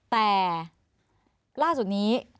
แต่ล่าสุดนี้